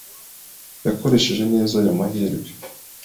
Yakoresheje neza ayo mahirwe.